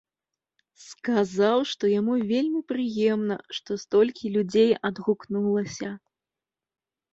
Сказаў, што яму вельмі прыемна, што столькі людзей адгукнулася.